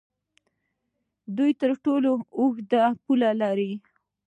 دوی تر ټولو اوږده پوله لري.